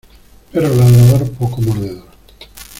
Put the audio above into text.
Perro ladrador poco mordedor.